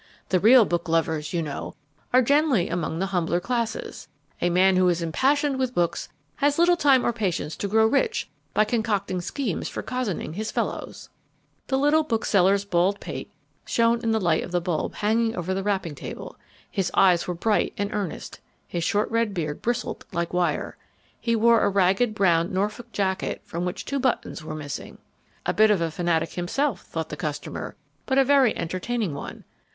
The real book lovers, you know, are generally among the humbler classes. A man who is impassioned with books has little time or patience to grow rich by concocting schemes for cozening his fellows." The little bookseller's bald pate shone in the light of the bulb hanging over the wrapping table. His eyes were bright and earnest, his short red beard bristled like wire. He wore a ragged brown Norfolk jacket from which two buttons were missing. A bit of a fanatic himself, thought the customer, but a very entertaining one.